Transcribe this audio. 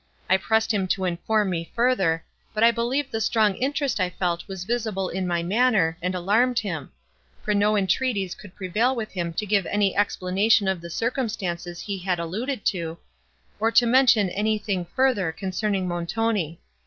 I pressed him to inform me further, but I believe the strong interest I felt was visible in my manner, and alarmed him; for no entreaties could prevail with him to give any explanation of the circumstances he had alluded to, or to mention anything further concerning Montoni.